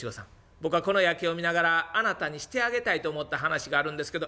僕はこの夜景を見ながらあなたにしてあげたいと思った話があるんですけど」。